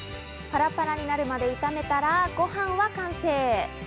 パラパラになるまで炒めたら、ご飯は完成。